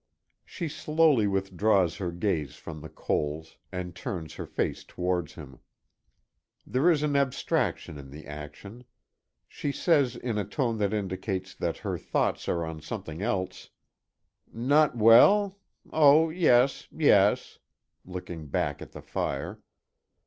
She slowly withdraws her gaze from the coals, and turns her face towards him. There is an abstraction in the action. She says in a tone that indicates that her thoughts are on something else: "Not well? Oh yes yes," looking back at the fire.